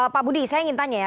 pak budi saya ingin tanya ya